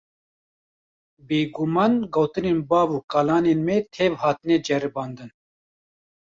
Bêguman gotinên bav û kalanên me tev hatine ceribandin.